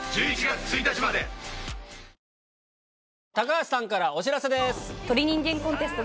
橋さんからお知らせです。